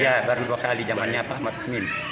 iya baru dua kali jamannya pak ahmad amin